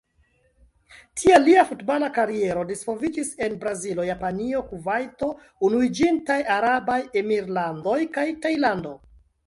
Tiel lia futbala kariero disvolviĝis en Brazilo, Japanio, Kuvajto, Unuiĝintaj Arabaj Emirlandoj kaj Tajlando.